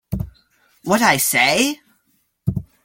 What I Say?